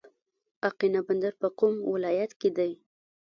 اقینه بندر په کوم ولایت کې دی؟